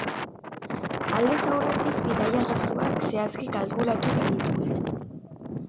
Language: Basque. Aldez aurretik bidaia-gastuak zehazki kalkulatu genituen.